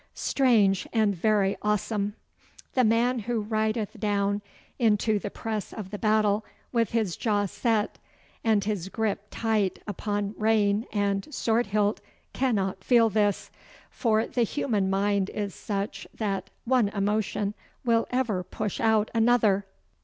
Strange and very awesome! The man who rideth down into the press of the battle with his jaw set and his grip tight upon reign and sword hilt cannot feel this, for the human mind is such that one emotion will ever push out another.